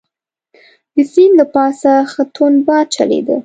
د سیند له پاسه ښه توند باد چلیده.